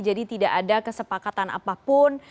jadi tidak ada kesepakatan apapun